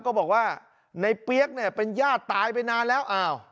ก็บอกว่าในเปี๊ยกเนี่ยเป็นญาติตายไปนานแล้ว